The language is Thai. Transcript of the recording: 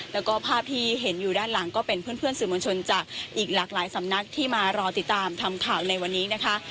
แล้วก็ภาพที่เห็นอยู่ด้านหลังก็เป็นเพื่อนสื่อมวลชนจากอีกหลากหลายสำนักที่มารอติดตามทำข่าวในวันนี้นะคะ